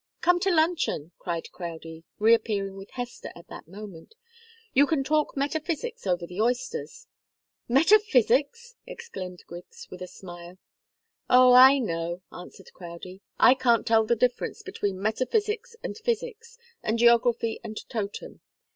"Come to luncheon!" cried Crowdie, reappearing with Hester at that moment. "You can talk metaphysics over the oysters." "Metaphysics!" exclaimed Griggs, with a smile. "Oh, I know," answered Crowdie. "I can't tell the difference between metaphysics and psychics, and geography and Totem.